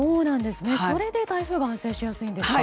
それで台風が発生しやすいんですか。